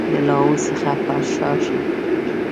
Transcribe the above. د لاهور څخه پر شا شي.